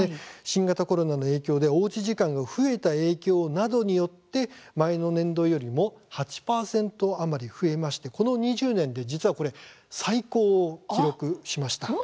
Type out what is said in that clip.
新型コロナの影響でおうち時間が増えた影響などによって前の年度よりも８％余り増えまして、この２０年で実は、最高を記録しました。